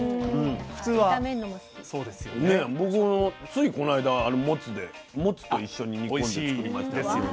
僕もついこの間もつでもつと一緒に煮込んで作りましたよ。